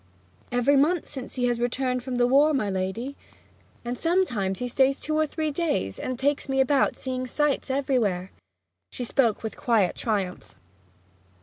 'Every month since he returned from the war, my lady. And sometimes he stays two or three days, and takes me about seeing sights everywhere!' She spoke with quiet triumph.